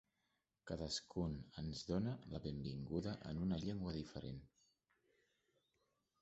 Cadascun ens dóna la benvinguda en una llengua diferent.